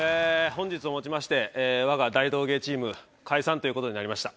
本日をもちまして我が大道芸チーム解散という事になりました。